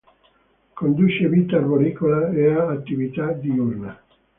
Conduce vita arboricola e ha attività diurna.